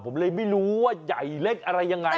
ผมเลยไม่รู้ว่าใหญ่เล็กอะไรยังไง